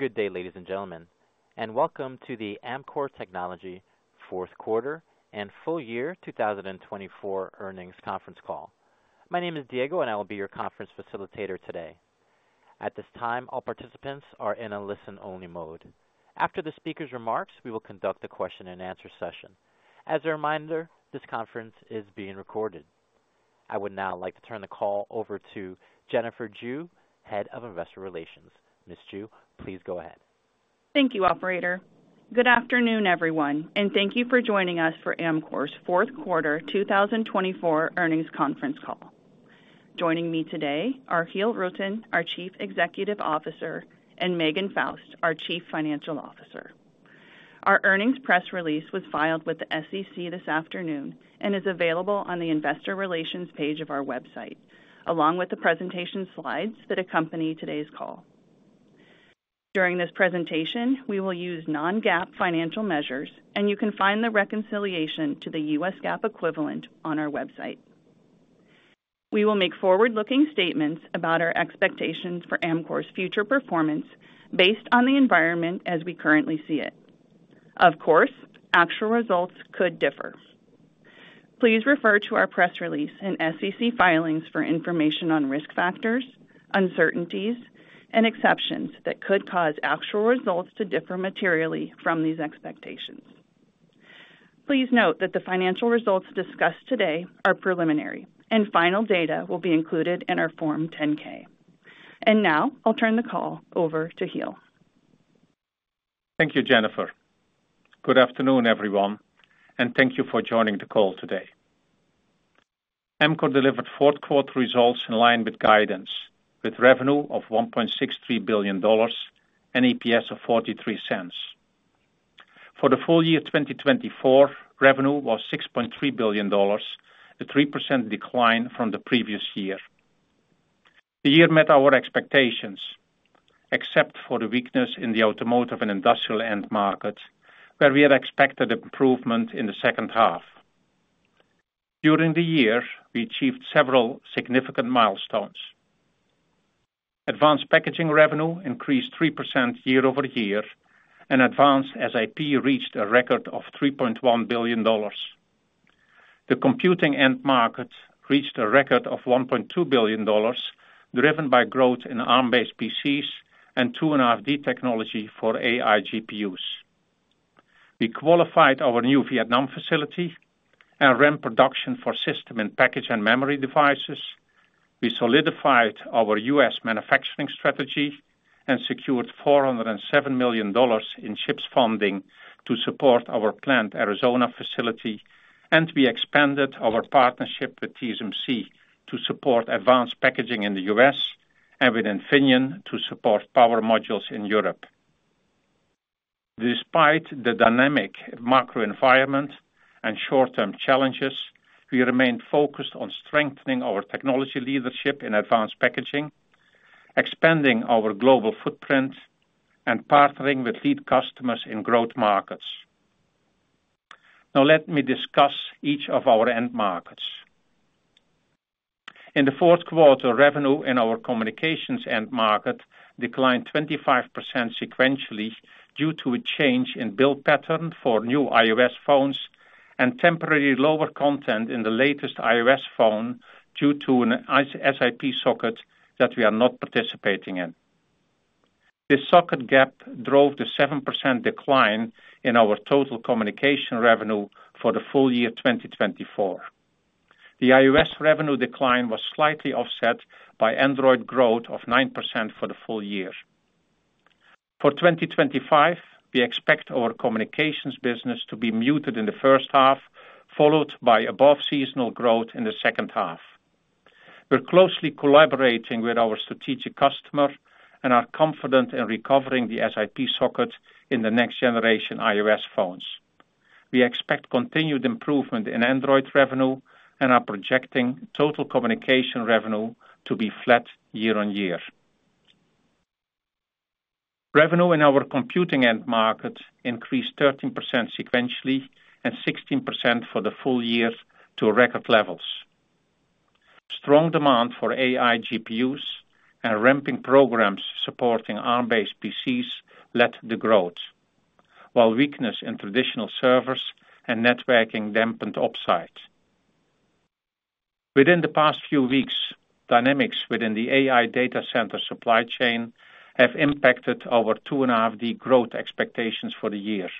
Good day, ladies and gentlemen, and welcome to the Amkor Technology Fourth Quarter and Full Year 2024 Earnings Conference Call. My name is Diego, and I will be your conference facilitator today. At this time, all participants are in a listen-only mode. After the speaker's remarks, we will conduct the question-and-answer session. As a reminder, this conference is being recorded. I would now like to turn the call over to Jennifer Jue, Head of Investor Relations. Ms. Jue, please go ahead. Thank you, Operator. Good afternoon, everyone, and thank you for joining us for Amkor's Fourth Quarter 2024 Earnings Conference Call. Joining me today are Giel Rutten, our Chief Executive Officer, and Megan Faust, our Chief Financial Officer. Our earnings press release was filed with the SEC this afternoon and is available on the Investor Relations page of our website, along with the presentation slides that accompany today's call. During this presentation, we will use non-GAAP financial measures, and you can find the reconciliation to the U.S. GAAP equivalent on our website. We will make forward-looking statements about our expectations for Amkor's future performance based on the environment as we currently see it. Of course, actual results could differ. Please refer to our press release and SEC filings for information on risk factors, uncertainties, and exceptions that could cause actual results to differ materially from these expectations. Please note that the financial results discussed today are preliminary, and final data will be included in our Form 10-K, and now, I'll turn the call over to Giel. Thank you, Jennifer. Good afternoon, everyone, and thank you for joining the call today. Amkor delivered fourth-quarter results in line with guidance, with revenue of $1.63 billion and EPS of $0.43. For the full year 2024, revenue was $6.3 billion, a 3% decline from the previous year. The year met our expectations, except for the weakness in the automotive and industrial end markets, where we had expected improvement in the second half. During the year, we achieved several significant milestones. Advanced packaging revenue increased 3% year-over-year, and advanced SiP reached a record of $3.1 billion. The computing end market reached a record of $1.2 billion, driven by growth in PCs and 2.5D technology for AI GPUs. We qualified our new Vietnam facility and ran production for System in Package and memory devices. We solidified our U.S. manufacturing strategy and secured $407 million in CHIPS funding to support our planned Arizona facility, and we expanded our partnership with TSMC to support advanced packaging in the U.S. and with Infineon to support power modules in Europe. Despite the dynamic macro environment and short-term challenges, we remained focused on strengthening our technology leadership in advanced packaging, expanding our global footprint, and partnering with lead customers in growth markets. Now, let me discuss each of our end markets. In the fourth quarter, revenue in our communications end market declined 25% sequentially due to a change in build pattern for new iOS phones and temporary lower content in the latest iOS phone due to an SiP socket that we are not participating in. This socket gap drove the 7% decline in our total communication revenue for the full year 2024. The iOS revenue decline was slightly offset by Android growth of 9% for the full year. For 2025, we expect our communications business to be muted in the first half, followed by above-seasonal growth in the second half. We're closely collaborating with our strategic customer and are confident in recovering the SiP socket in the next generation iOS phones. We expect continued improvement in Android revenue and are projecting total communication revenue to be flat year on year. Revenue in our computing end market increased 13% sequentially and 16% for the full year to record levels. Strong demand for AI GPUs and ramping programs supporting Arm-based PCs led to the growth, while weakness in traditional servers and networking dampened upside. Within the past few weeks, dynamics within the AI data center supply chain have impacted our 2.5D growth expectations for the year.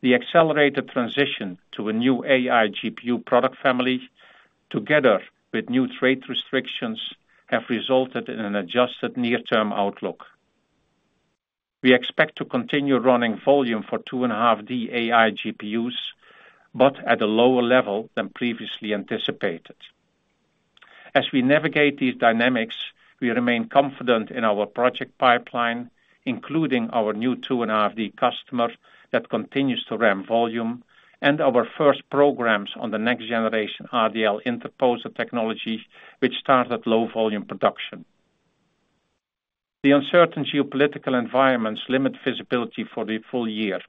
The accelerated transition to a new AI GPU product family, together with new trade restrictions, has resulted in an adjusted near-term outlook. We expect to continue running volume for 2.5D AI GPUs, but at a lower level than previously anticipated. As we navigate these dynamics, we remain confident in our project pipeline, including our new 2.5D customer that continues to ramp volume, and our first programs on the next generation RDL interposer technology, which started low-volume production. The uncertain geopolitical environments limit visibility for the full year.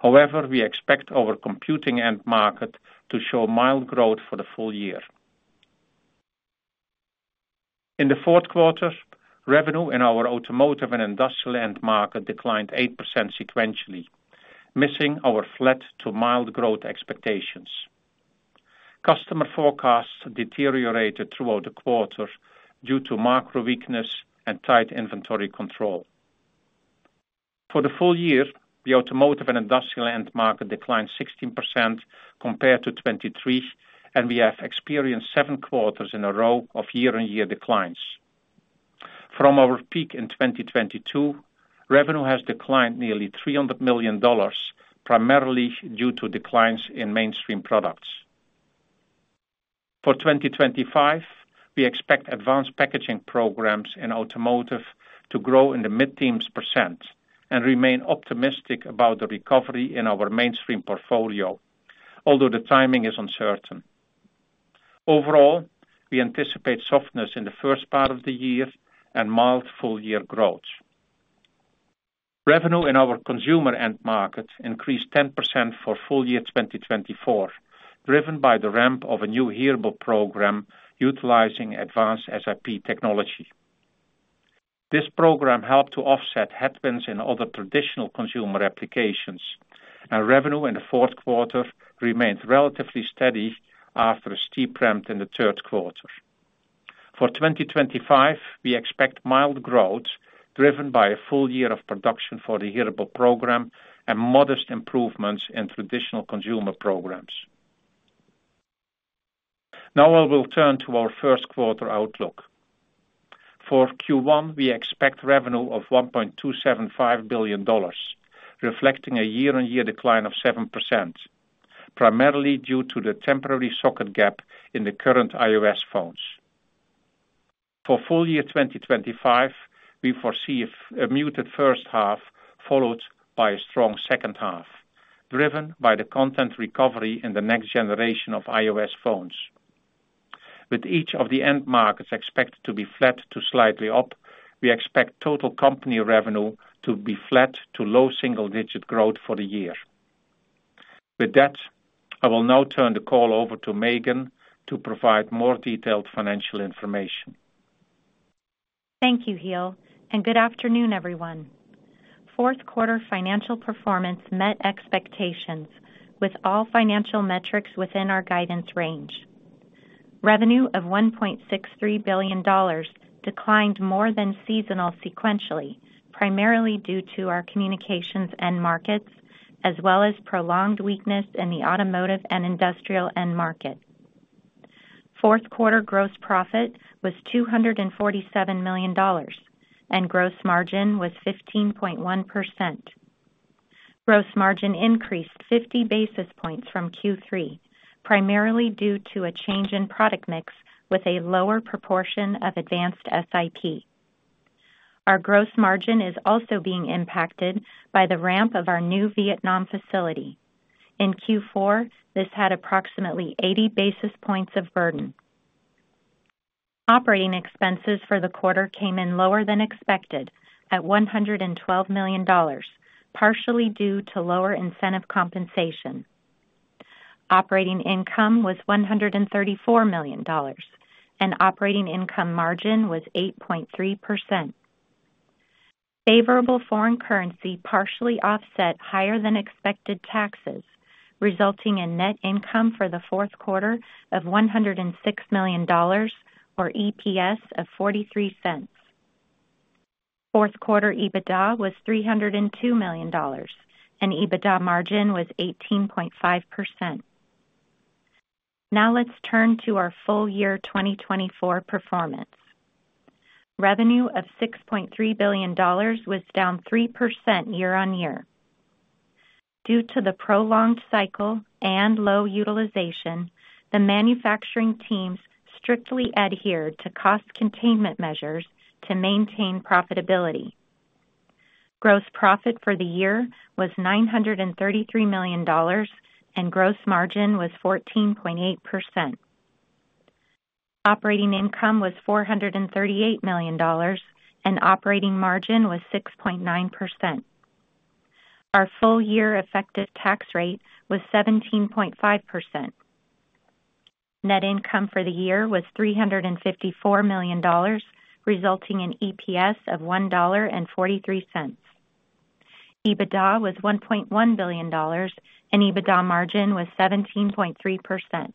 However, we expect our computing end market to show mild growth for the full year. In the fourth quarter, revenue in our automotive and industrial end market declined 8% sequentially, missing our flat to mild growth expectations. Customer forecasts deteriorated throughout the quarter due to macro weakness and tight inventory control. For the full year, the automotive and industrial end market declined 16% compared to 2023, and we have experienced seven quarters in a row of year-on-year declines. From our peak in 2022, revenue has declined nearly $300 million, primarily due to declines in mainstream products. For 2025, we expect advanced packaging programs in automotive to grow in the mid-teens % and remain optimistic about the recovery in our mainstream portfolio, although the timing is uncertain. Overall, we anticipate softness in the first part of the year and mild full-year growth. Revenue in our consumer end market increased 10% for full year 2024, driven by the ramp of a new hearable program utilizing advanced SiP technology. This program helped to offset headwinds in other traditional consumer applications, and revenue in the fourth quarter remained relatively steady after a steep ramp in the third quarter. For 2025, we expect mild growth driven by a full year of production for the hearable program and modest improvements in traditional consumer programs. Now, I will turn to our first quarter outlook. For Q1, we expect revenue of $1.275 billion, reflecting a year-on-year decline of 7%, primarily due to the temporary socket gap in the current iOS phones. For full year 2025, we foresee a muted first half followed by a strong second half, driven by the content recovery in the next generation of iOS phones. With each of the end markets expected to be flat to slightly up, we expect total company revenue to be flat to low single-digit growth for the year. With that, I will now turn the call over to Megan to provide more detailed financial information. Thank you, Giel, and good afternoon, everyone. Fourth quarter financial performance met expectations with all financial metrics within our guidance range. Revenue of $1.63 billion declined more than seasonal sequentially, primarily due to our communications end markets, as well as prolonged weakness in the automotive and industrial end market. Fourth quarter gross profit was $247 million, and gross margin was 15.1%. Gross margin increased 50 basis points from Q3, primarily due to a change in product mix with a lower proportion of advanced SiP . Our gross margin is also being impacted by the ramp of our new Vietnam facility. In Q4, this had approximately 80 basis points of burden. Operating expenses for the quarter came in lower than expected at $112 million, partially due to lower incentive compensation. Operating income was $134 million, and operating income margin was 8.3%. Favorable foreign currency partially offset higher-than-expected taxes, resulting in net income for the fourth quarter of $106 million, or EPS of $0.43. Fourth quarter EBITDA was $302 million, and EBITDA margin was 18.5%. Now, let's turn to our full year 2024 performance. Revenue of $6.3 billion was down 3% year-on-year. Due to the prolonged cycle and low utilization, the manufacturing teams strictly adhered to cost containment measures to maintain profitability. Gross profit for the year was $933 million, and gross margin was 14.8%. Operating income was $438 million, and operating margin was 6.9%. Our full-year effective tax rate was 17.5%. Net income for the year was $354 million, resulting in EPS of $1.43. EBITDA was $1.1 billion, and EBITDA margin was 17.3%.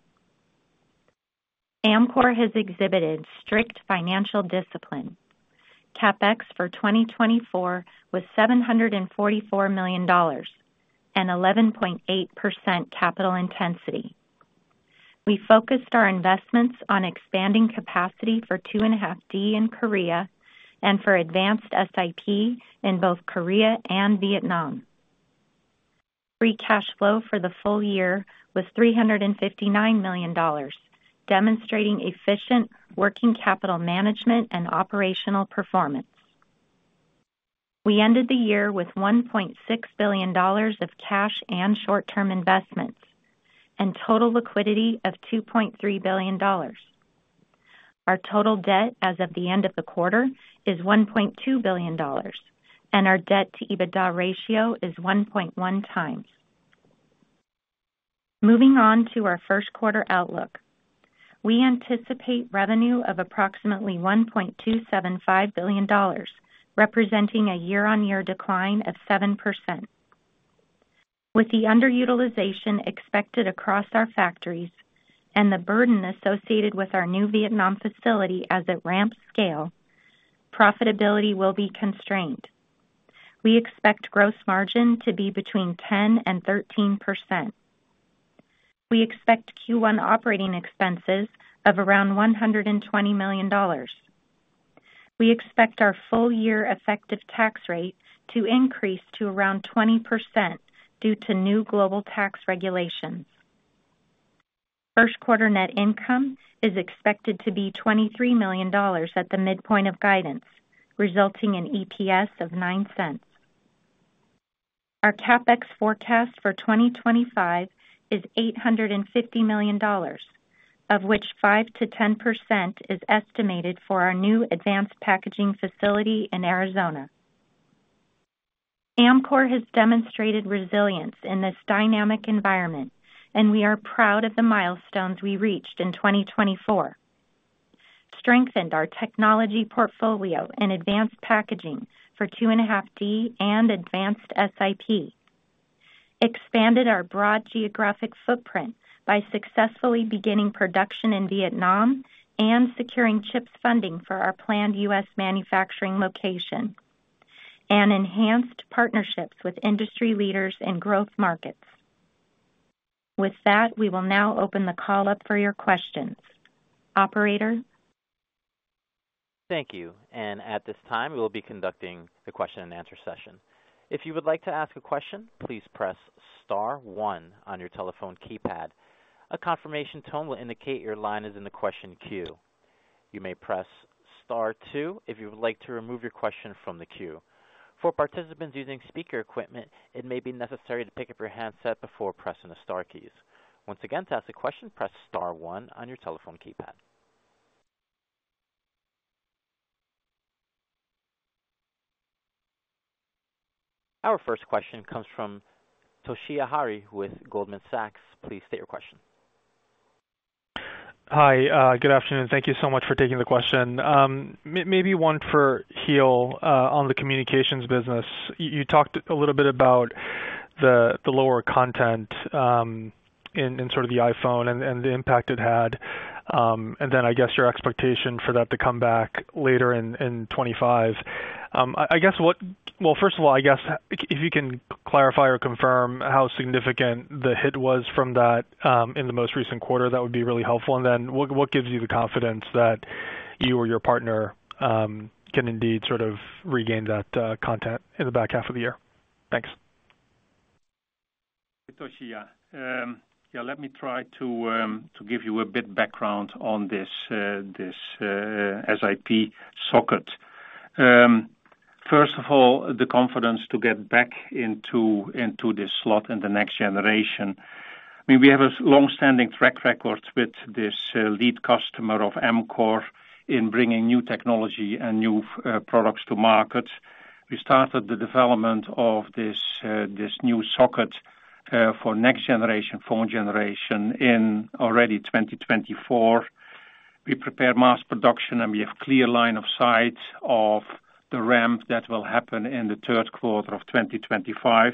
Amkor has exhibited strict financial discipline. CapEx for 2024 was $744 million and 11.8% capital intensity. We focused our investments on expanding capacity for 2.5D in Korea and for advanced SiP in both Korea and Vietnam. Free cash flow for the full year was $359 million, demonstrating efficient working capital management and operational performance. We ended the year with $1.6 billion of cash and short-term investments and total liquidity of $2.3 billion. Our total debt as of the end of the quarter is $1.2 billion, and our debt-to-EBITDA ratio is 1.1 times. Moving on to our first quarter outlook, we anticipate revenue of approximately $1.275 billion, representing a year-on-year decline of 7%. With the underutilization expected across our factories and the burden associated with our new Vietnam facility as it ramps scale, profitability will be constrained. We expect gross margin to be between 10% and 13%. We expect Q1 operating expenses of around $120 million. We expect our full-year effective tax rate to increase to around 20% due to new global tax regulations. First quarter net income is expected to be $23 million at the midpoint of guidance, resulting in EPS of $0.09. Our CapEx forecast for 2025 is $850 million, of which 5%-10% is estimated for our new advanced packaging facility in Arizona. Amkor has demonstrated resilience in this dynamic environment, and we are proud of the milestones we reached in 2024. Strengthened our technology portfolio in advanced packaging for 2.5D and advanced SiP. Expanded our broad geographic footprint by successfully beginning production in Vietnam and securing CHIPS funding for our planned US manufacturing location, and enhanced partnerships with industry leaders in growth markets. With that, we will now open the call up for your questions. Operator. Thank you, and at this time, we will be conducting the question-and-answer session. If you would like to ask a question, please press star one on your telephone keypad. A confirmation tone will indicate your line is in the question queue. You may press star two if you would like to remove your question from the queue. For participants using speaker equipment, it may be necessary to pick up your handset before pressing the star keys. Once again, to ask a question, press star one on your telephone keypad. Our first question comes from Toshiya Hari with Goldman Sachs. Please state your question. Hi. Good afternoon. Thank you so much for taking the question. Maybe one for Giel on the communications business. You talked a little bit about the lower content in sort of the iPhone and the impact it had, and then I guess your expectation for that to come back later in 2025. I guess what well, first of all, I guess if you can clarify or confirm how significant the hit was from that in the most recent quarter, that would be really helpful. And then what gives you the confidence that you or your partner can indeed sort of regain that content in the back half of the year? Thanks. Toshiya. Yeah, let me try to give you a bit of background on this SiP socket. First of all, the confidence to get back into this slot in the next generation. I mean, we have a long-standing track record with this lead customer of Amkor in bringing new technology and new products to market. We started the development of this new socket for next generation phone generation in already 2024.We prepared mass production, and we have a clear line of sight of the ramp that will happen in the third quarter of 2025.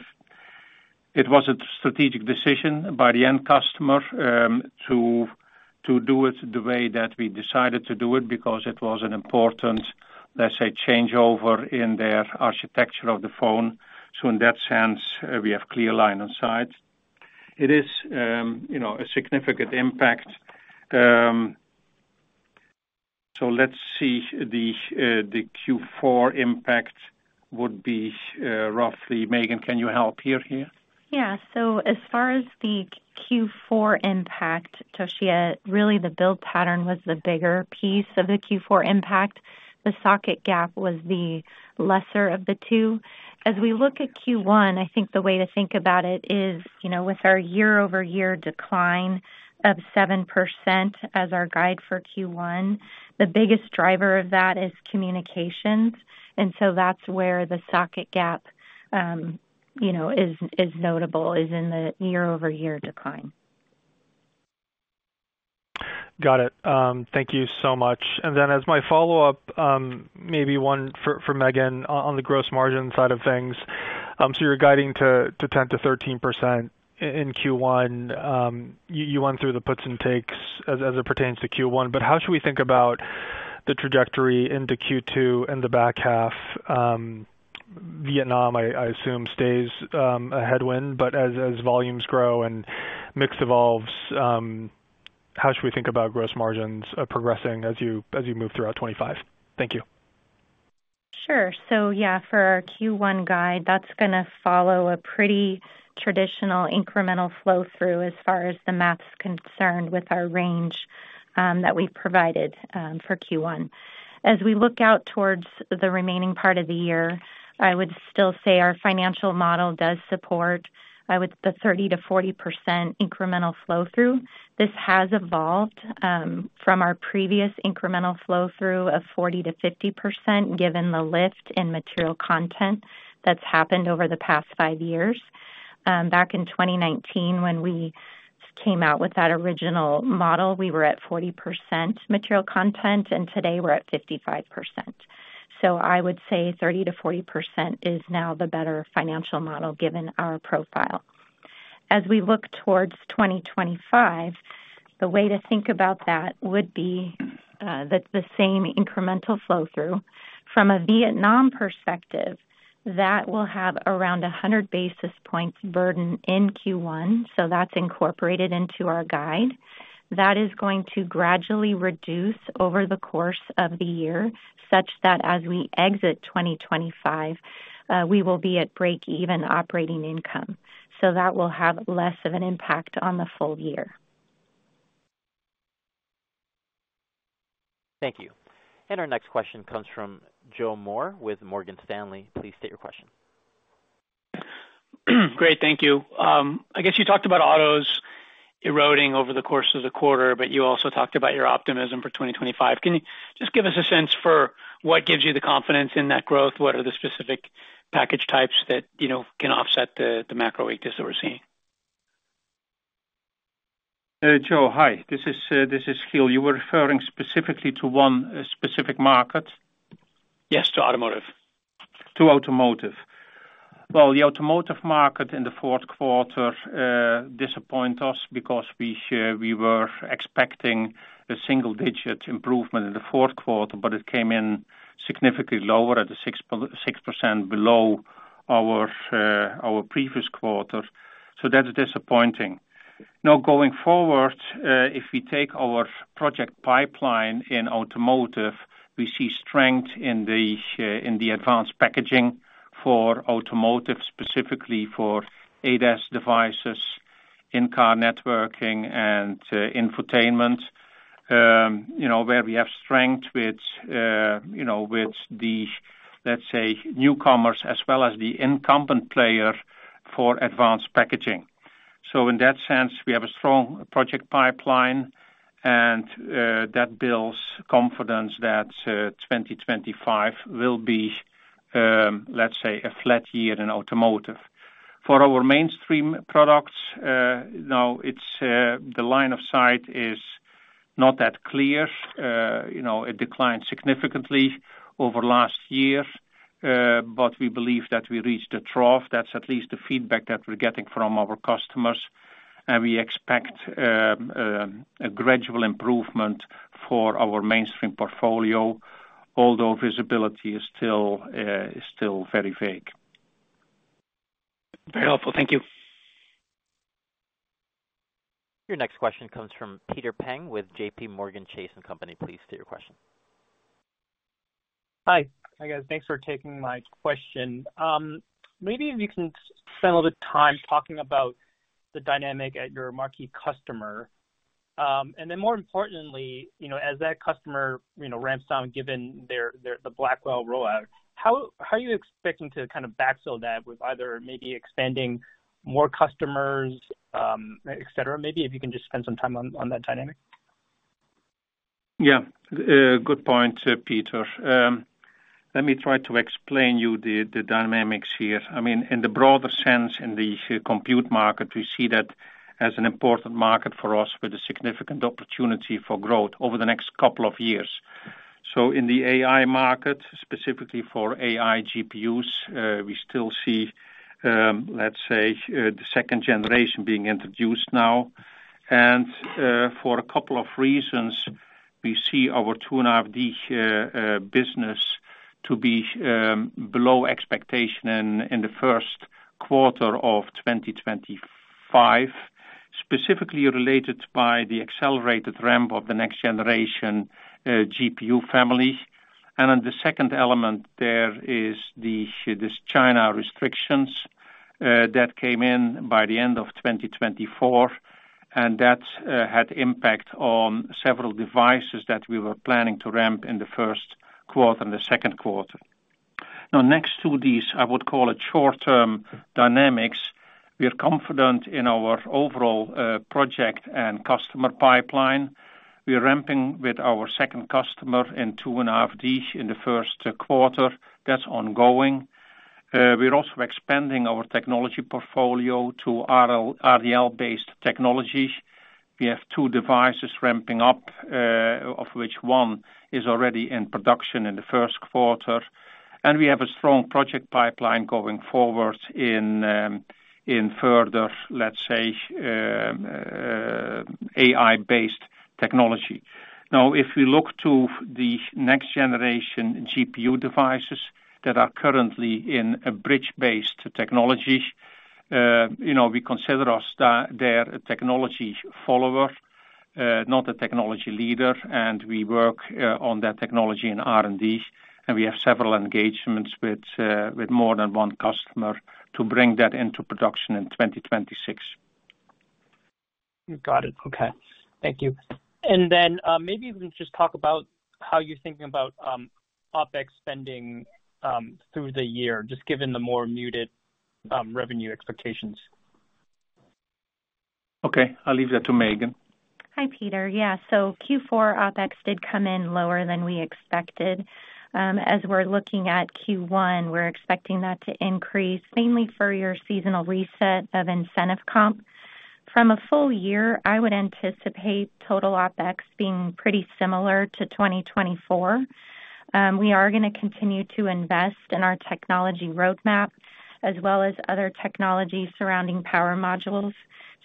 It was a strategic decision by the end customer to do it the way that we decided to do it because it was an important, let's say, changeover in their architecture of the phone. So in that sense, we have a clear line of sight. It is a significant impact. So let's see, the Q4 impact would be roughly. Megan, can you help here? Yeah. So as far as the Q4 impact, Toshiya, really the build pattern was the bigger piece of the Q4 impact. The socket gap was the lesser of the two. As we look at Q1, I think the way to think about it is with our year-over-year decline of 7% as our guide for Q1, the biggest driver of that is communications. And so that's where the socket gap is notable, is in the year-over-year decline. Got it. Thank you so much. And then as my follow-up, maybe one for Megan on the gross margin side of things. So you're guiding to 10%-13% in Q1. You went through the puts and takes as it pertains to Q1. But how should we think about the trajectory into Q2 in the back half? Vietnam, I assume, stays a headwind, but as volumes grow and mix evolves, how should we think about gross margins progressing as you move throughout 2025? Thank you. Sure, so yeah, for our Q1 guide, that's going to follow a pretty traditional incremental flow-through as far as the math's concerned with our range that we provided for Q1. As we look out towards the remaining part of the year, I would still say our financial model does support the 30%-40% incremental flow-through. This has evolved from our previous incremental flow-through of 40%-50% given the lift in material content that's happened over the past five years. Back in 2019, when we came out with that original model, we were at 40% material content, and today we're at 55%. So I would say 30%-40% is now the better financial model given our profile. As we look towards 2025, the way to think about that would be the same incremental flow-through. From a Vietnam perspective, that will have around 100 basis points burden in Q1, so that's incorporated into our guide. That is going to gradually reduce over the course of the year such that as we exit 2025, we will be at break-even operating income. So that will have less of an impact on the full year. Thank you. And our next question comes from Joe Moore with Morgan Stanley. Please state your question. Great. Thank you. I guess you talked about autos eroding over the course of the quarter, but you also talked about your optimism for 2025. Can you just give us a sense for what gives you the confidence in that growth? What are the specific package types that can offset the macro weakness that we're seeing? Joe, hi. This is Giel. You were referring specifically to one specific market? Yes, to automotive. To automotive. Well, the automotive market in the fourth quarter disappointed us because we were expecting a single-digit improvement in the fourth quarter, but it came in significantly lower at 6% below our previous quarter. So that's disappointing. Now, going forward, if we take our project pipeline in automotive, we see strength in the advanced packaging for automotive, specifically for ADAS devices, in-car networking, and infotainment, where we have strength with the, let's say, newcomers as well as the incumbent player for advanced packaging. So in that sense, we have a strong project pipeline, and that builds confidence that 2025 will be, let's say, a flat year in automotive. For our mainstream products, now the line of sight is not that clear. It declined significantly over last year, but we believe that we reached the trough. That's at least the feedback that we're getting from our customers. We expect a gradual improvement for our mainstream portfolio, although visibility is still very vague. Very helpful. Thank you. Your next question comes from Peter Peng with JPMorgan Chase & Company. Please state your question. Hi. Hi, guys. Thanks for taking my question. Maybe if you can spend a little bit of time talking about the dynamic at your marquee customer, and then more importantly, as that customer ramps down given the Blackwell rollout, how are you expecting to kind of backfill that with either maybe expanding more customers, etc.? Maybe if you can just spend some time on that dynamic. Yeah. Good point, Peter. Let me try to explain to you the dynamics here. I mean, in the broader sense in the compute market, we see that as an important market for us with a significant opportunity for growth over the next couple of years. So in the AI market, specifically for AI GPUs, we still see, let's say, the second generation being introduced now. And for a couple of reasons, we see our 2.5D business to be below expectation in the first quarter of 2025, specifically related by the accelerated ramp of the next generation GPU family. And then the second element there is these China restrictions that came in by the end of 2024, and that had impact on several devices that we were planning to ramp in the first quarter and the second quarter. Now, next to these, I would call it short-term dynamics. We are confident in our overall project and customer pipeline. We are ramping with our second customer in 2.5D in the first quarter. That's ongoing. We're also expanding our technology portfolio to RDL-based technologies. We have two devices ramping up, of which one is already in production in the first quarter, and we have a strong project pipeline going forward in further, let's say, AI-based technology. Now, if we look to the next generation GPU devices that are currently in a bridge-based technology, we consider ourselves their technology follower, not a technology leader, and we work on that technology in R&D, and we have several engagements with more than one customer to bring that into production in 2026. Got it. Okay. Thank you. And then maybe even just talk about how you're thinking about OpEx spending through the year, just given the more muted revenue expectations? Okay. I'll leave that to Megan. Hi, Peter. Yeah. So Q4 OpEx did come in lower than we expected. As we're looking at Q1, we're expecting that to increase mainly for your seasonal reset of incentive comp. From a full year, I would anticipate total OpEx being pretty similar to 2024. We are going to continue to invest in our technology roadmap as well as other technology surrounding power modules.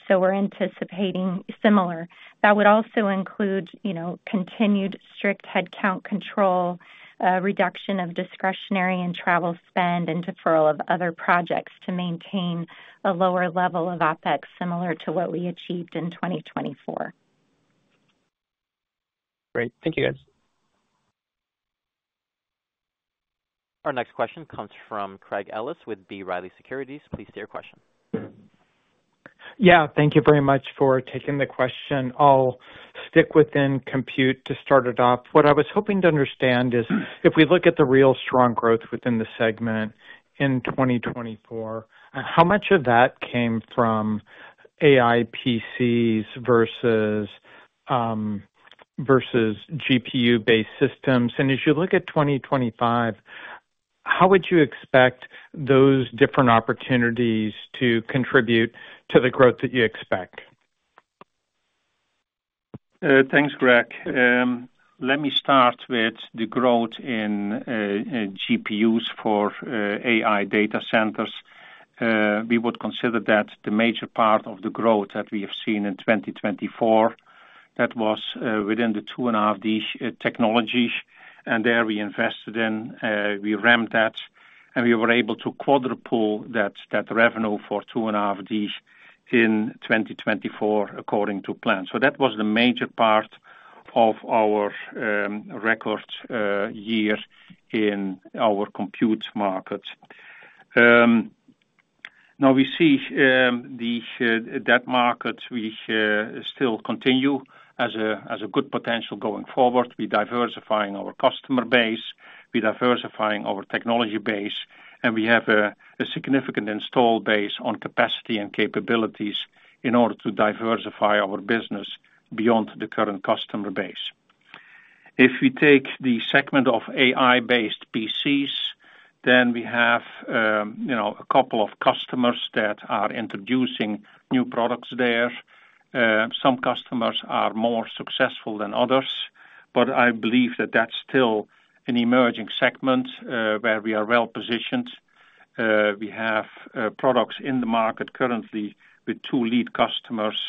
So we're anticipating similar. That would also include continued strict headcount control, reduction of discretionary and travel spend, and deferral of other projects to maintain a lower level of OpEx similar to what we achieved in 2024. Great. Thank you, guys. Our next question comes from Craig Ellis with B. Riley Securities. Please state your question. Yeah. Thank you very much for taking the question. I'll stick within compute to start it off. What I was hoping to understand is if we look at the real strong growth within the segment in 2024, how much of that came from AI PCs versus GPU-based systems? And as you look at 2025, how would you expect those different opportunities to contribute to the growth that you expect? Thanks, Craig. Let me start with the growth in GPUs for AI data centers. We would consider that the major part of the growth that we have seen in 2024, that was within the 2.5D technologies. And there we invested in, we ramped that, and we were able to quadruple that revenue for 2.5D in 2024 according to plan. So that was the major part of our record year in our compute market. Now, we see that market still continue as a good potential going forward. We're diversifying our customer base. We're diversifying our technology base. And we have a significant install base on capacity and capabilities in order to diversify our business beyond the current customer base. If we take the segment of AI-based PCs, then we have a couple of customers that are introducing new products there. Some customers are more successful than others. But I believe that that's still an emerging segment where we are well positioned. We have products in the market currently with two lead customers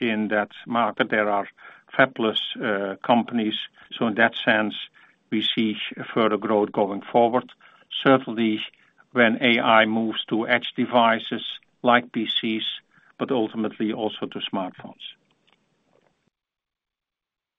in that market. There are fabless companies. So in that sense, we see further growth going forward, certainly when AI moves to edge devices like PCs, but ultimately also to smartphones.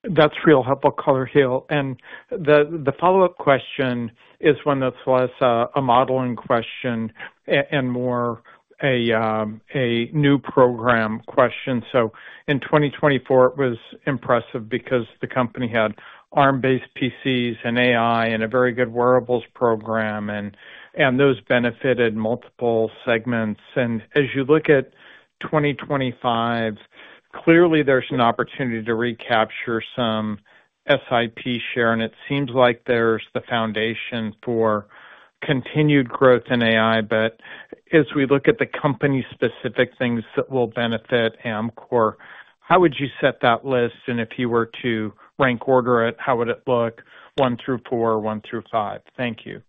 That's really helpful, Giel Rutten. And the follow-up question is one that's less a modeling question and more a new program question. So in 2024, it was impressive because the company had Arm-based PCs and AI and a very good wearables program, and those benefited multiple segments. And as you look at 2025, clearly there's an opportunity to recapture some SiP share. And it seems like there's the foundation for continued growth in AI. But as we look at the company-specific things that will benefit Amkor, how would you set that list? And if you were to rank order it, how would it look? One through four, one through five. Thank you.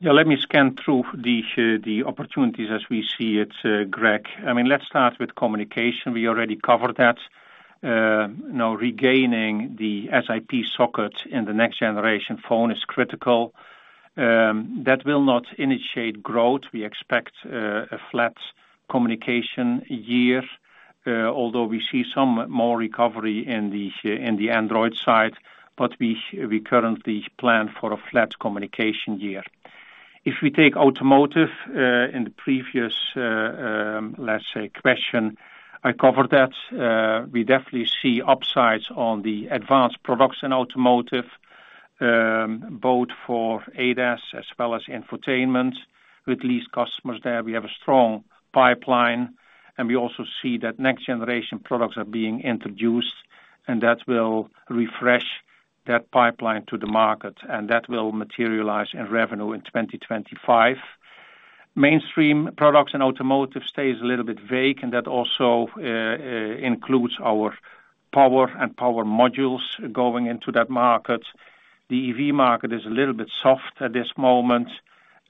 Yeah. Let me scan through the opportunities as we see it, Craig. I mean, let's start with communication. We already covered that. Now, regaining the SiP socket in the next generation phone is critical. That will not initiate growth. We expect a flat communication year, although we see some more recovery in the Android side, but we currently plan for a flat communication year. If we take automotive in the previous, let's say, question, I covered that. We definitely see upsides on the advanced products in automotive, both for ADAS as well as infotainment. With key customers there, we have a strong pipeline. And we also see that next-generation products are being introduced, and that will refresh that pipeline to the market. And that will materialize in revenue in 2025. Mainstream products in automotive stays a little bit vague, and that also includes our power and power modules going into that market. The EV market is a little bit soft at this moment,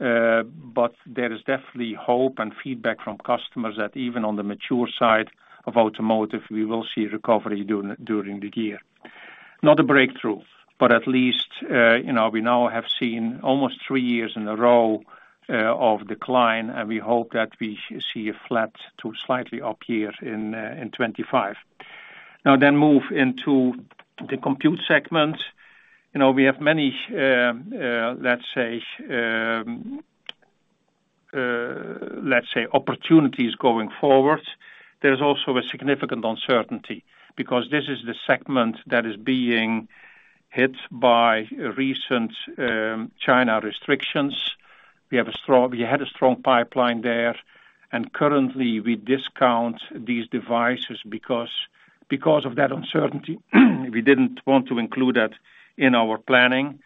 but there is definitely hope and feedback from customers that even on the mature side of automotive, we will see recovery during the year. Not a breakthrough, but at least we now have seen almost three years in a row of decline, and we hope that we see a flat to slightly up year in 2025. Now, then move into the compute segment. We have many, let's say, opportunities going forward. There's also a significant uncertainty because this is the segment that is being hit by recent China restrictions. We had a strong pipeline there. And currently, we discount these devices because of that uncertainty. We didn't want to include that in our planning.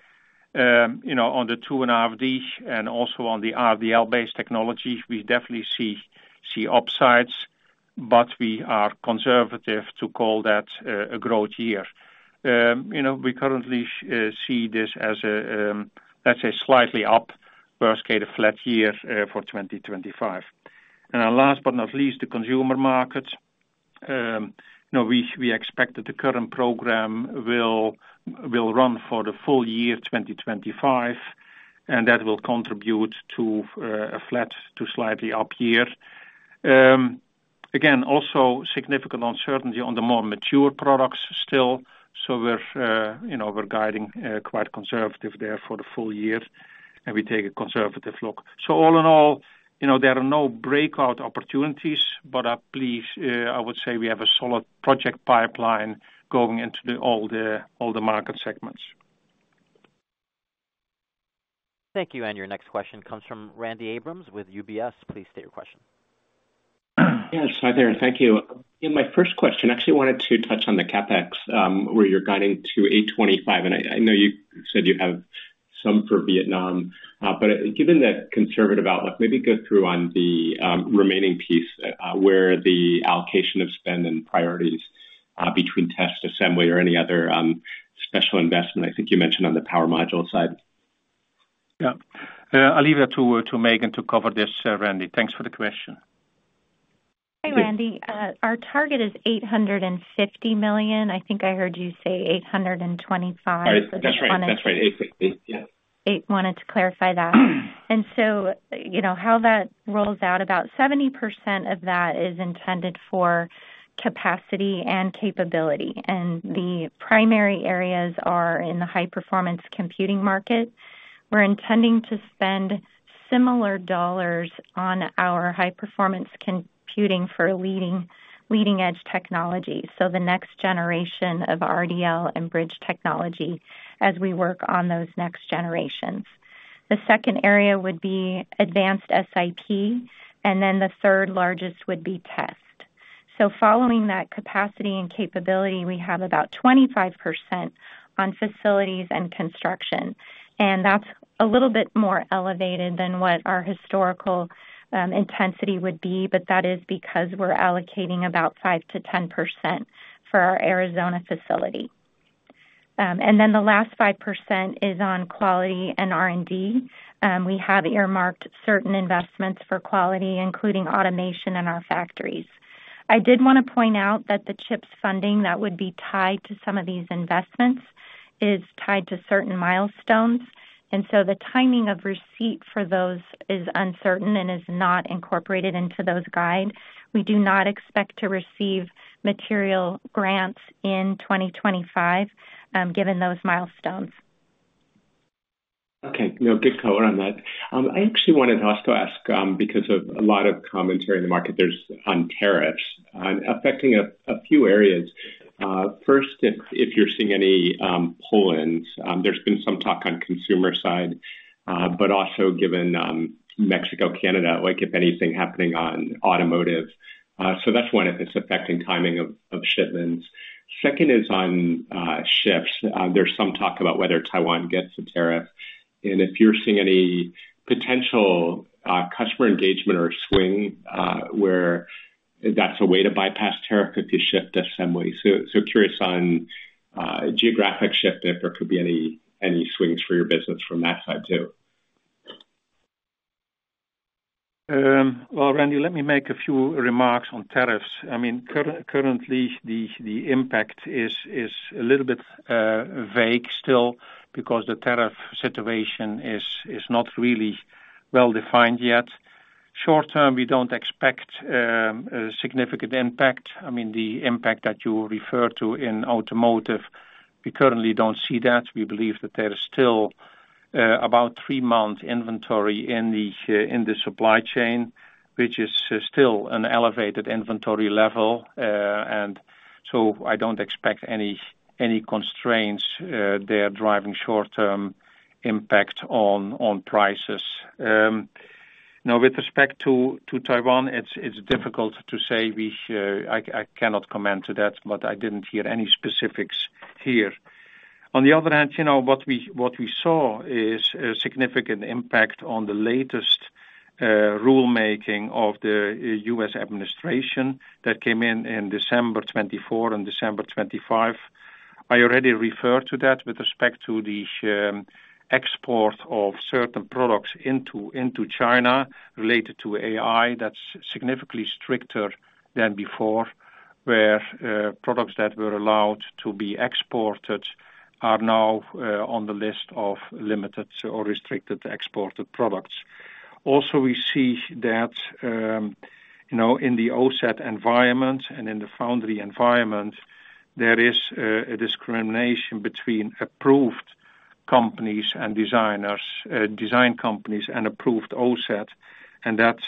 On the 2.5D and also on the RDL-based technology, we definitely see upsides, but we are conservative to call that a growth year. We currently see this as a, let's say, slightly up, worst-case a flat year for 2025. And last but not least, the consumer market. We expect that the current program will run for the full year 2025, and that will contribute to a flat to slightly up year. Again, also significant uncertainty on the more mature products still. So we're guiding quite conservative there for the full year, and we take a conservative look. So all in all, there are no breakout opportunities, but at least I would say we have a solid project pipeline going into all the market segments. Thank you. And your next question comes from Randy Abrams with UBS. Please state your question. Yes. Hi there. Thank you. My first question, I actually wanted to touch on the CapEx where you're guiding to 2025. And I know you said you have some for Vietnam. But given that conservative outlook, maybe go through on the remaining piece where the allocation of spend and priorities between test assembly or any other special investment, I think you mentioned on the power module side. Yeah. I'll leave that to Megan to cover this, Randy. Thanks for the question. Hi, Randy. Our target is $850 million. I think I heard you say $825. That's right. That's right. 850. I wanted to clarify that, and so how that rolls out, about 70% of that is intended for capacity and capability, and the primary areas are in the high-performance computing market. We're intending to spend similar dollars on our high-performance computing for leading-edge technology, so the next generation of RDL and bridge technology as we work on those next generations. The second area would be advanced SiP, and then the third largest would be test, so following that capacity and capability, we have about 25% on facilities and construction, and that's a little bit more elevated than what our historical intensity would be, but that is because we're allocating about 5 to 10% for our Arizona facility, and then the last 5% is on quality and R&D. We have earmarked certain investments for quality, including automation in our factories. I did want to point out that the CHIPS funding that would be tied to some of these investments is tied to certain milestones, and so the timing of receipt for those is uncertain and is not incorporated into those guides. We do not expect to receive material grants in 2025 given those milestones. Okay. Good color on that. I actually wanted to ask because of a lot of commentary in the market on tariffs affecting a few areas. First, if you're seeing any pull-ins, there's been some talk on the consumer side, but also given Mexico, Canada, if anything happening on automotive. So that's one if it's affecting timing of shipments. Second is on shifts. There's some talk about whether Taiwan gets a tariff. And if you're seeing any potential customer engagement or swing where that's a way to bypass tariff if you shift assembly. So curious on geographic shift if there could be any swings for your business from that side too. Randy, let me make a few remarks on tariffs. I mean, currently, the impact is a little bit vague still because the tariff situation is not really well defined yet. Short term, we don't expect significant impact. I mean, the impact that you refer to in automotive, we currently don't see that. We believe that there is still about three-month inventory in the supply chain, which is still an elevated inventory level. And so I don't expect any constraints there driving short-term impact on prices. Now, with respect to Taiwan, it's difficult to say. I cannot comment to that, but I didn't hear any specifics here. On the other hand, what we saw is a significant impact on the latest rulemaking of the U.S. administration that came in December 2024 and December 2025. I already referred to that with respect to the export of certain products into China related to AI. That's significantly stricter than before, where products that were allowed to be exported are now on the list of limited or restricted exported products. Also, we see that in the OSAT environment and in the foundry environment, there is a discrimination between approved companies and design companies and approved OSAT. And that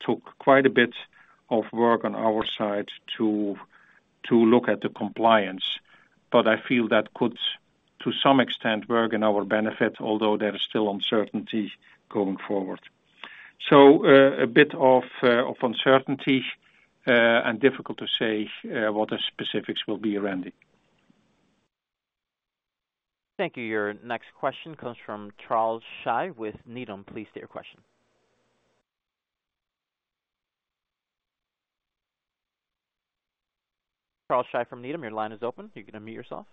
took quite a bit of work on our side to look at the compliance. But I feel that could, to some extent, work in our benefit, although there is still uncertainty going forward. So a bit of uncertainty and difficult to say what the specifics will be, Randy. Thank you. Your next question comes from Charles Shi with Needham. Please state your question. Charles Shi from Needham, your line is open. You're going to mute yourself.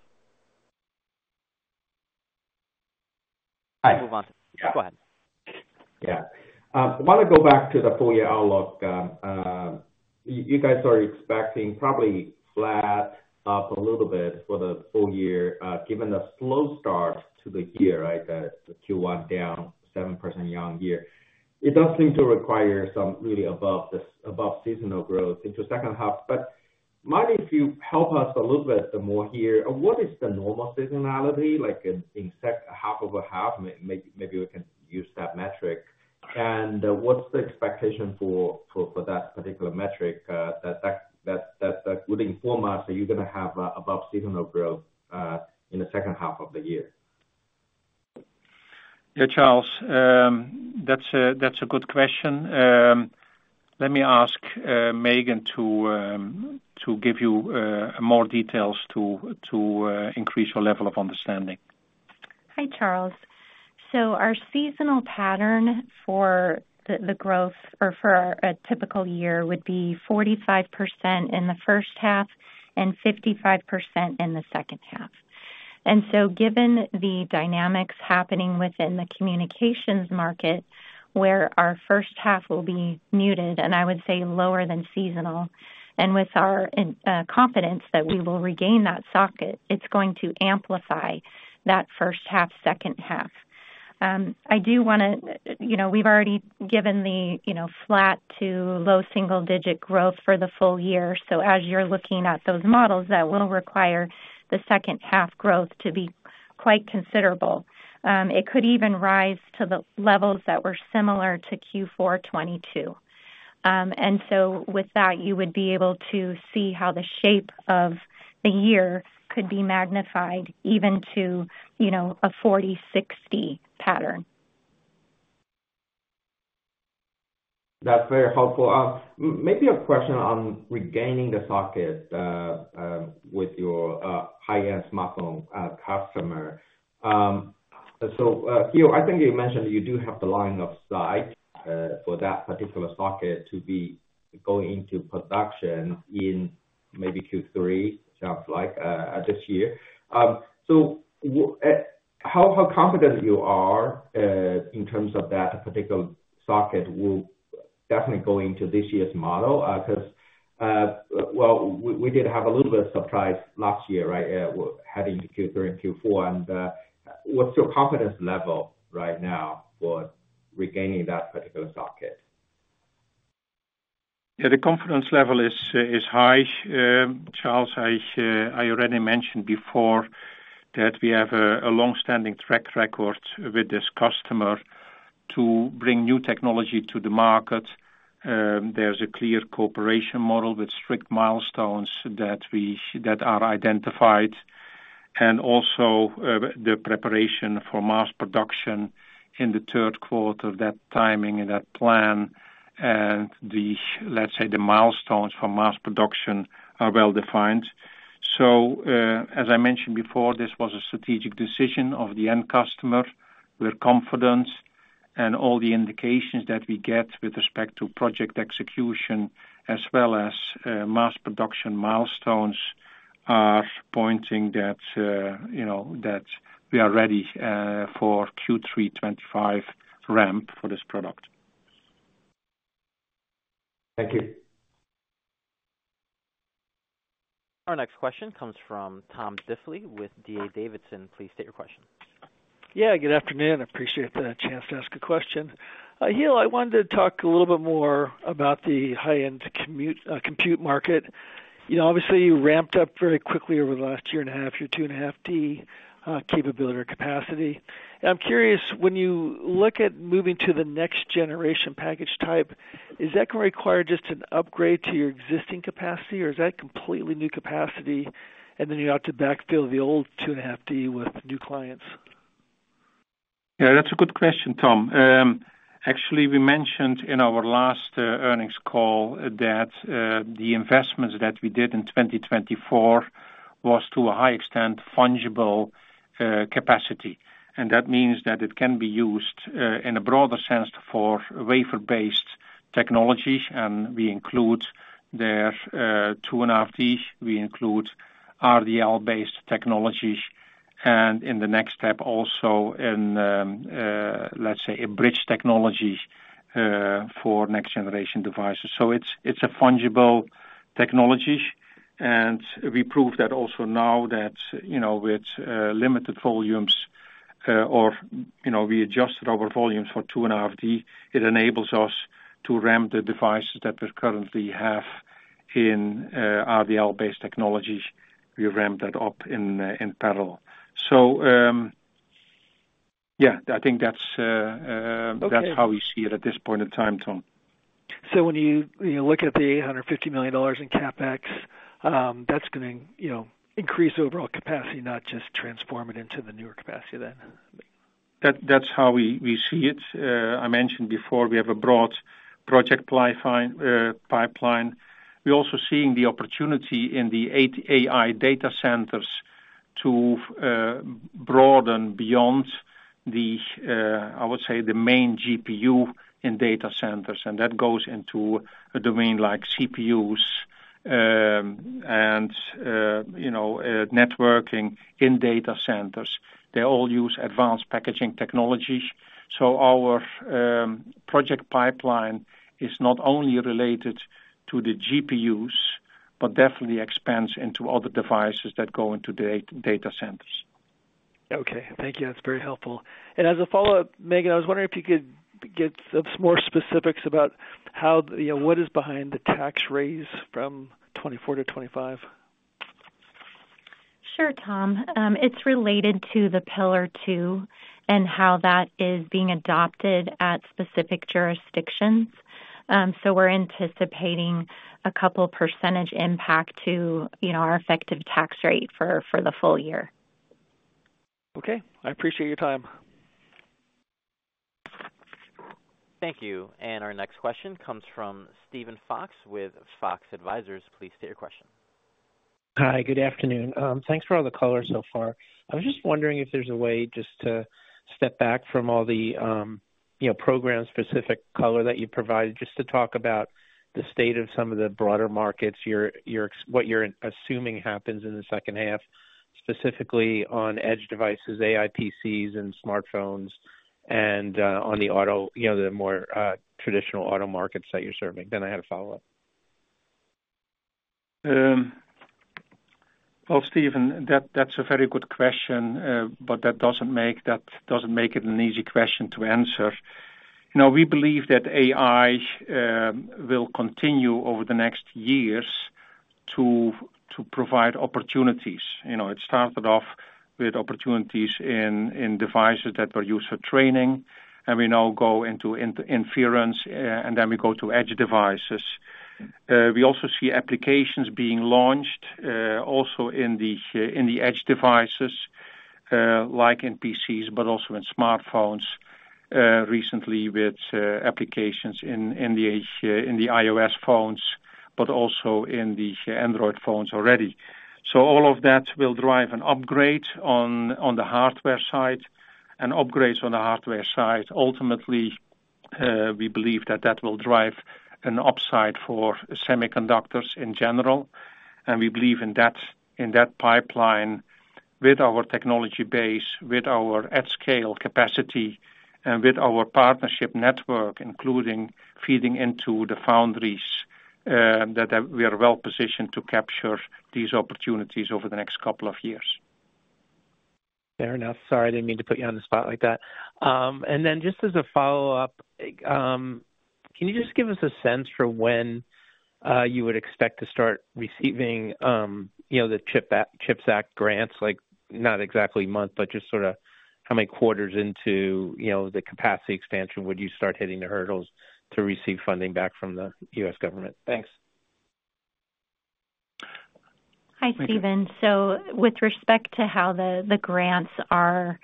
Hi. Move on. Go ahead. Yeah. I want to go back to the full-year outlook. You guys are expecting probably flat up a little bit for the full year given the slow start to the year, right? The Q1 down 7% year on year. It does seem to require some really above seasonal growth into the second half. But mind if you help us a little bit more here. What is the normal seasonality? Like in half of a half, maybe we can use that metric. And what's the expectation for that particular metric that would inform us that you're going to have above seasonal growth in the second half of the year? Yeah, Charles. That's a good question. Let me ask Megan to give you more details to increase your level of understanding. Hi, Charles. Our seasonal pattern for the growth or for a typical year would be 45% in the first half and 55% in the second half. Given the dynamics happening within the communications market, where our first half will be muted, and I would say lower than seasonal, and with our confidence that we will regain that socket, it's going to amplify that first half, second half. I do want to. We've already given the flat to low single-digit growth for the full year. As you're looking at those models, that will require the second half growth to be quite considerable. It could even rise to the levels that were similar to Q4 2022. With that, you would be able to see how the shape of the year could be magnified even to a 40/60 pattern. That's very helpful. Maybe a question on regaining the socket with your high-end smartphone customer. So here, I think you mentioned you do have the line of sight for that particular socket to be going into production in maybe Q3, sounds like, this year. So how confident you are in terms of that particular socket will definitely go into this year's model? Because, well, we did have a little bit of surprise last year, right? Heading into Q3 and Q4. And what's your confidence level right now for regaining that particular socket? Yeah, the confidence level is high. Charles, I already mentioned before that we have a long-standing track record with this customer to bring new technology to the market. There's a clear cooperation model with strict milestones that are identified, and also the preparation for mass production in the third quarter, that timing and that plan, and let's say the milestones for mass production are well defined, so as I mentioned before, this was a strategic decision of the end customer. We're confident, and all the indications that we get with respect to project execution as well as mass production milestones are pointing that we are ready for Q3 2025 ramp for this product. Thank you. Our next question comes from Tom Diffely with DA Davidson. Please state your question. Yeah. Good afternoon. Appreciate the chance to ask a question. Giel, I wanted to talk a little bit more about the high-end compute market. Obviously, you ramped up very quickly over the last year and a half, your 2.5D capability or capacity. And I'm curious, when you look at moving to the next generation package type, is that going to require just an upgrade to your existing capacity, or is that completely new capacity, and then you have to backfill the old 2.5D with new clients? Yeah, that's a good question, Tom. Actually, we mentioned in our last earnings call that the investments that we did in 2024 was to a high extent fungible capacity. And that means that it can be used in a broader sense for wafer-based technologies. And we include there 2.5D, we include RDL-based technologies, and in the next step also in, let's say, a bridge technology for next-generation devices. So it's a fungible technology. And we proved that also now that with limited volumes, or we adjusted our volumes for 2.5D, it enables us to ramp the devices that we currently have in RDL-based technology. We ramp that up in parallel. So yeah, I think that's how we see it at this point in time, Tom. So when you look at the $850 million in CapEx, that's going to increase overall capacity, not just transform it into the newer capacity then? That's how we see it. I mentioned before we have a broad project pipeline. We're also seeing the opportunity in the AI data centers to broaden beyond, I would say, the main GPU in data centers. And that goes into a domain like CPUs and networking in data centers. They all use advanced packaging technologies. So our project pipeline is not only related to the GPUs, but definitely expands into other devices that go into data centers. Okay. Thank you. That's very helpful. And as a follow-up, Megan, I was wondering if you could give some more specifics about what is behind the tax rate from 2024 to 2025? Sure, Tom. It's related to the Pillar Two and how that is being adopted at specific jurisdictions. So we're anticipating a couple percentage impact to our effective tax rate for the full year. Okay. I appreciate your time. Thank you. And our next question comes from Steven Fox with Fox Advisors. Please state your question. Hi, good afternoon. Thanks for all the colors so far. I was just wondering if there's a way just to step back from all the program-specific color that you provided just to talk about the state of some of the broader markets, what you're assuming happens in the second half, specifically on edge devices, AI PCs, and smartphones, and on the more traditional auto markets that you're serving. Then I had a follow-up. Steven, that's a very good question, but that doesn't make it an easy question to answer. We believe that AI will continue over the next years to provide opportunities. It started off with opportunities in devices that were used for training, and we now go into inference, and then we go to edge devices. We also see applications being launched also in the edge devices, like in PCs, but also in smartphones recently with applications in the iOS phones, but also in the Android phones already. So all of that will drive an upgrade on the hardware side and upgrades on the hardware side. Ultimately, we believe that that will drive an upside for semiconductors in general. We believe in that pipeline with our technology base, with our at-scale capacity, and with our partnership network, including feeding into the foundries, that we are well positioned to capture these opportunities over the next couple of years. Fair enough. Sorry, I didn't mean to put you on the spot like that. And then just as a follow-up, can you just give us a sense for when you would expect to start receiving the CHIPS Act grants, not exactly month, but just sort of how many quarters into the capacity expansion would you start hitting the hurdles to receive funding back from the US government? Thanks. Hi, Steven. So with respect to how the grants are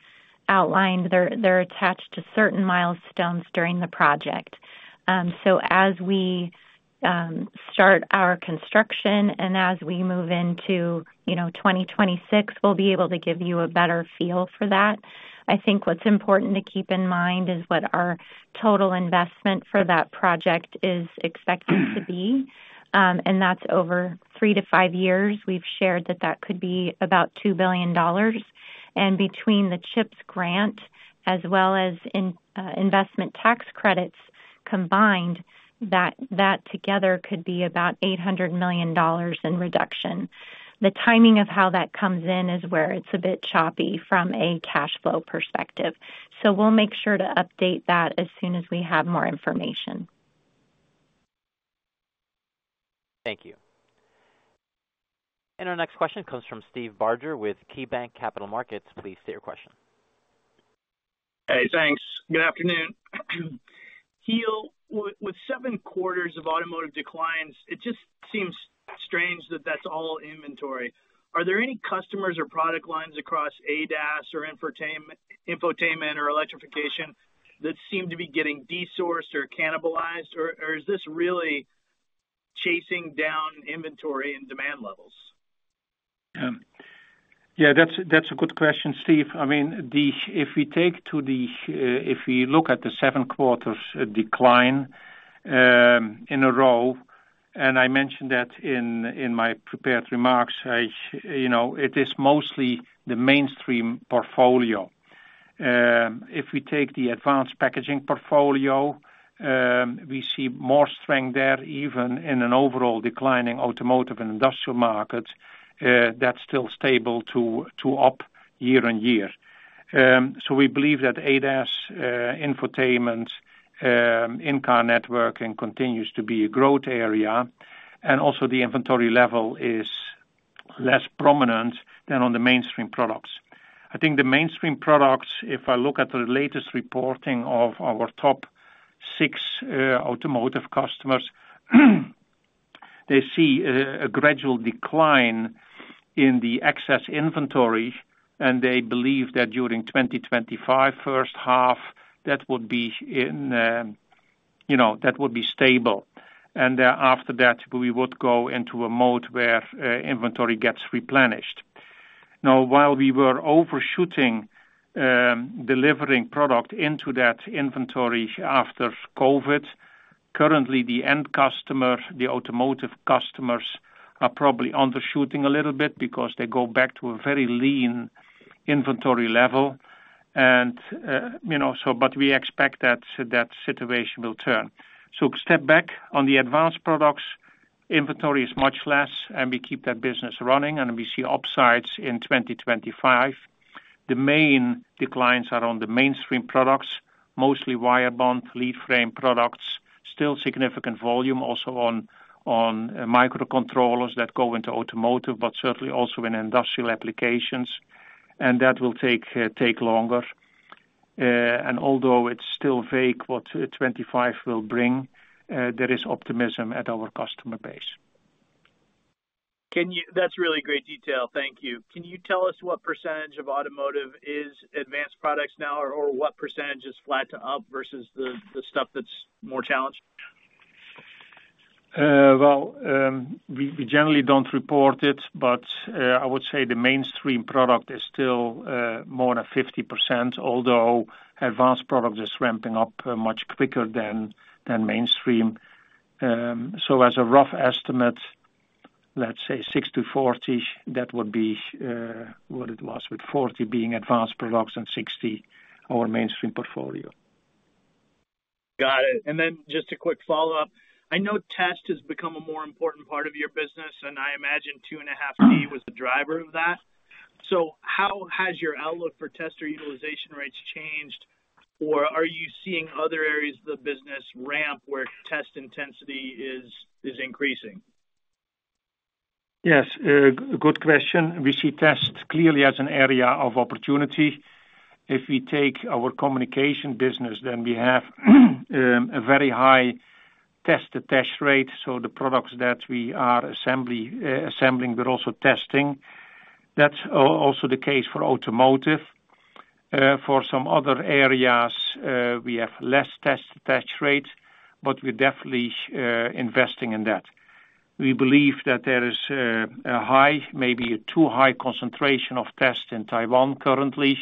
outlined, they're attached to certain milestones during the project. So as we start our construction and as we move into 2026, we'll be able to give you a better feel for that. I think what's important to keep in mind is what our total investment for that project is expected to be. And that's over three to five years. We've shared that that could be about $2 billion. And between the CHIPS grant as well as investment tax credits combined, that together could be about $800 million in reduction. The timing of how that comes in is where it's a bit choppy from a cash flow perspective. So we'll make sure to update that as soon as we have more information. Thank you. And our next question comes from Steve Barger with KeyBanc Capital Markets. Please state your question. Hey, thanks. Good afternoon. Giel, with seven quarters of automotive declines, it just seems strange that that's all inventory. Are there any customers or product lines across ADAS or infotainment or electrification that seem to be getting desourced or cannibalized, or is this really chasing down inventory and demand levels? Yeah, that's a good question, Steve. I mean, if we look at the seven quarters decline in a row, and I mentioned that in my prepared remarks, it is mostly the mainstream portfolio. If we take the advanced packaging portfolio, we see more strength there even in an overall declining automotive and industrial market that's still stable to up year on year. So we believe that ADAS, infotainment, in-car networking continues to be a growth area, and also the inventory level is less prominent than on the mainstream products. I think the mainstream products, if I look at the latest reporting of our top six automotive customers, they see a gradual decline in the excess inventory, and they believe that during 2025, first half, that would be stable. After that, we would go into a mode where inventory gets replenished. Now, while we were overshooting delivering product into that inventory after COVID, currently the end customers, the automotive customers, are probably undershooting a little bit because they go back to a very lean inventory level, and so but we expect that situation will turn, so step back on the advanced products, inventory is much less, and we keep that business running, and we see upsides in 2025. The main declines are on the mainstream products, mostly wire bond, leadframe products, still significant volume also on microcontrollers that go into automotive, but certainly also in industrial applications, and that will take longer, and although it's still vague what 2025 will bring, there is optimism at our customer base. That's really great detail. Thank you. Can you tell us what percentage of automotive is advanced products now, or what percentage is flat to up versus the stuff that's more challenged? We generally don't report it, but I would say the mainstream product is still more than 50%, although advanced product is ramping up much quicker than mainstream. As a rough estimate, let's say 60-40, that would be what it was with 40 being advanced products and 60 our mainstream portfolio. Got it. And then just a quick follow-up. I know test has become a more important part of your business, and I imagine 2.5D was the driver of that. So how has your outlook for test or utilization rates changed, or are you seeing other areas of the business ramp where test intensity is increasing? Yes. Good question. We see test clearly as an area of opportunity. If we take our communication business, then we have a very high test attach rate. So the products that we are assembling, we're also testing. That's also the case for automotive. For some other areas, we have less test attach rate, but we're definitely investing in that. We believe that there is a high, maybe too high concentration of tests in Taiwan currently,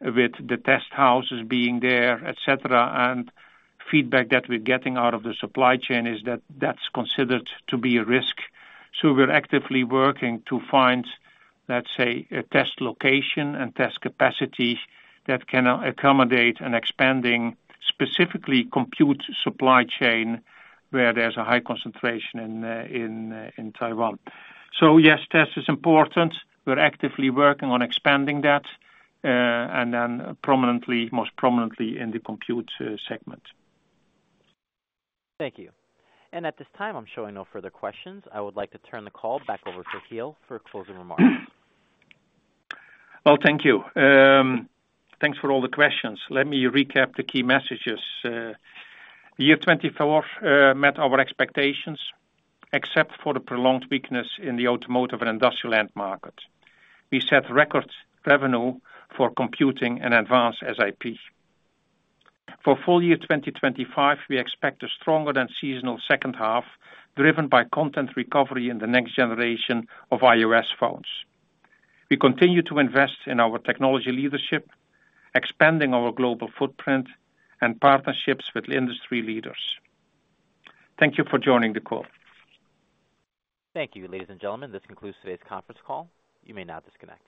with the test houses being there, etc., and feedback that we're getting out of the supply chain is that that's considered to be a risk, so we're actively working to find, let's say, a test location and test capacity that can accommodate an expanding, specifically compute supply chain where there's a high concentration in Taiwan, so yes, test is important. We're actively working on expanding that, and then most prominently in the compute segment. Thank you. And at this time, I'm showing no further questions. I would like to turn the call back over to Giel for closing remarks. Thank you. Thanks for all the questions. Let me recap the key messages. 2024 met our expectations, except for the prolonged weakness in the automotive and industrial end markets. We set record revenue for computing and advanced SiP . For full year 2025, we expect a stronger than seasonal second half, driven by content recovery in the next generation of iOS phones. We continue to invest in our technology leadership, expanding our global footprint, and partnerships with industry leaders. Thank you for joining the call. Thank you, ladies and gentlemen. This concludes today's conference call. You may now disconnect.